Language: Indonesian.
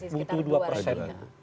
butuh dua persen